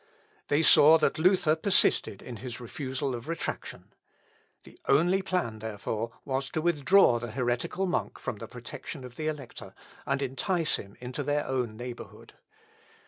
They saw that Luther persisted in his refusal of retractation. The only plan, therefore, was to withdraw the heretical monk from the protection of the Elector, and entice him into their own neighbourhood.